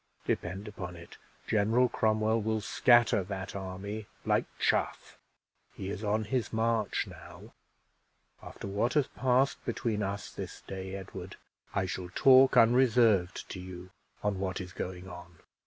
Depend upon it, General Cromwell will scatter that army like chaff. He is on his march now. After what has passed between us this day, Edward, I shall talk unreserved to you on what is going on."